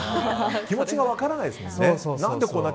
気持ちが分からないですもんね。